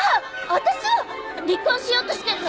私は離婚しようとしてるの。